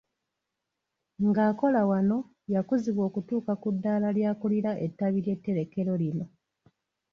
Ng'akola wano, yakuzibwa okutuuka ku ddaala ly'akulira ettabi ly'eterekero lino